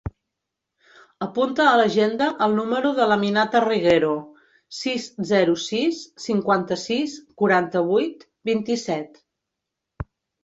Apunta a l'agenda el número de l'Aminata Reguero: sis, zero, sis, cinquanta-sis, quaranta-vuit, vint-i-set.